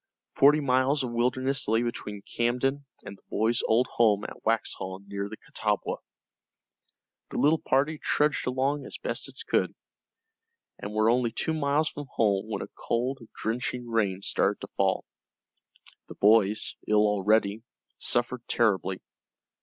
Forty miles of wilderness lay between Camden and the boys' old home at Waxhaw near the Catawba. The little party trudged along as best it could, and were only two miles from home when a cold, drenching rain started to fall. The boys, ill already, suffered terribly.